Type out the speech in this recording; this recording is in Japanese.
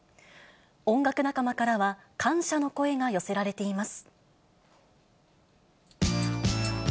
音楽仲間からは、感謝の声が寄せられています。